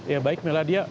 ya baik meladia